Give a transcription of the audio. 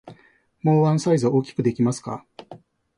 もうワンサイズ大きくできますか？